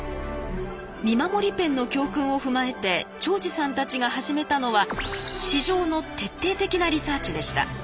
見守りペンの教訓を踏まえて長司さんたちが始めたのは市場の徹底的なリサーチでした。